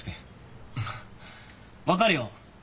分かるよ。